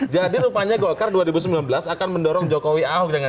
jadi rupanya golkar dua ribu sembilan belas akan mendorong jokowi ahok